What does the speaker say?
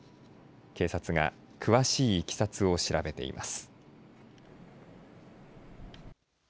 警察が詳しいいきさつを調べています。